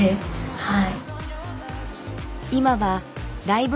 はい。